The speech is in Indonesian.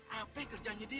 apa kerjanya dia